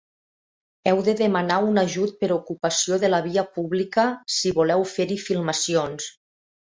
Heu de demanar un ajut per ocupació de la via pública si voleu fer-hi filmacions.